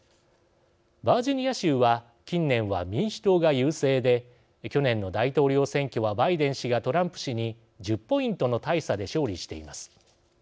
バージニア州は近年は民主党が優勢で去年の大統領選挙はバイデン氏がトランプ氏に１０ポイントの大差で勝利しています。